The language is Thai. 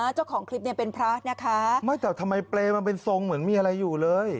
เจ้าของคลิปเนี่ยเป็นพระนะคะไม่แต่ทำไมเปรย์มันเป็นทรงเหมือนมีอะไรอยู่เลย